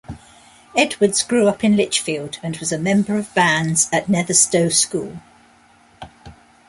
Edwards grew up in Lichfield, and was a member of bands at Netherstowe School.